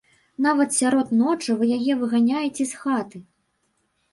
Нават сярод ночы вы яе выганяеце з хаты.